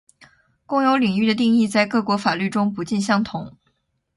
公有领域的定义在各国法律中不尽相同